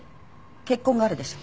血痕があるでしょ。